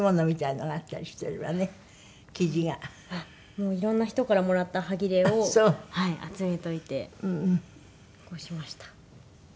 もういろんな人からもらった端切れを集めておいてこうしました。